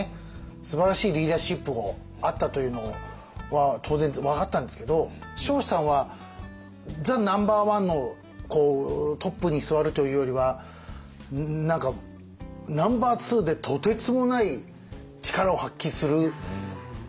すばらしいリーダーシップをあったというのは当然分かったんですけど彰子さんはザ・ナンバーワンのトップに座るというよりは何かナンバーツーでとてつもない力を発揮する人かなという気もしました